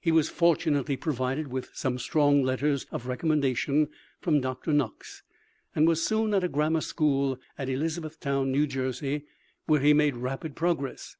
He was fortunately provided with some strong letters of recommendation from Dr. Knox, and was soon at a grammar school at Elizabethtown, N.J., where he made rapid progress.